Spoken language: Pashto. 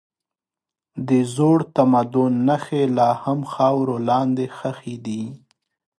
د زوړ تمدن نښې لا هم خاورو لاندې ښخي دي.